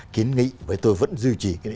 kiến nghị và tôi vẫn duy trì